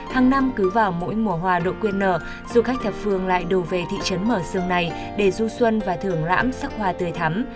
hàng năm cứ vào mỗi mùa hoa độ quên nở du khách thập phương lại đổ về thị trấn mở sương này để du xuân và thưởng lãm sắc hoa tươi thắm